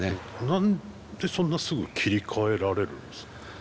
何でそんなすぐ切り替えられるんですか？